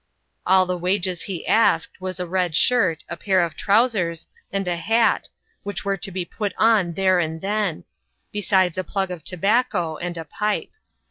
All the wages he asked, was a red shirt, a pair of trowsers, and a hat, which were to be put on there and then ; besides a plug of tobacco and a pipe.